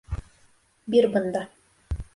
Бир бында.